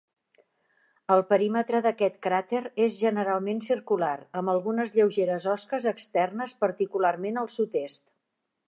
El perímetre d'aquest cràter és generalment circular, amb algunes lleugeres osques externes particularment al sud-est.